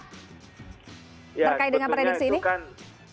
terkait dengan prediksi ini